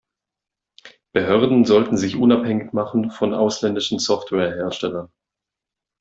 Behörden sollten sich unabhängig machen von ausländischen Software-Herstellern.